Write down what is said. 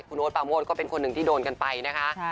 คุณโอ๊ตปาโมทก็เป็นคนหนึ่งที่โดนกันไปนะคะ